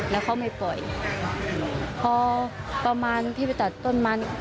แล้วเขาไม่ปล่อยพอประมาณพี่ไปตัดต้นมัน